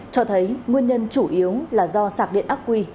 cho thấy nguyên nhân chủ yếu là do sạc điện ác quy